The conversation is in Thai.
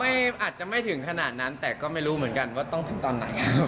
อาจจะไม่ถึงขนาดนั้นแต่ก็ไม่รู้เหมือนกันว่าต้องถึงตอนไหน